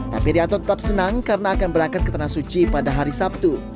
tapi rianto tetap senang karena akan berangkat ke tanah suci pada hari sabtu